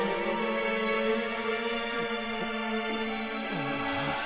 ああ。